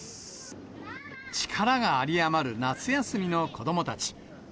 力が有り余る夏休みの子どもたち。